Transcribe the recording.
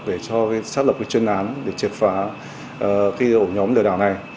để xác lập chân án để triệt phá ổ nhóm lừa đảo này